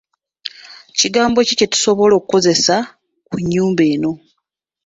Kigambo ki kye tusobola okukozesa ku nnyumba eno?